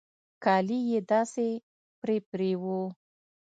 کالي يې داسې پرې پرې وو.